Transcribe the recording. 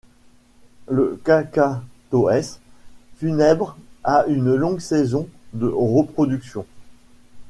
Le Cacatoès funèbre a une longue saison de reproduction.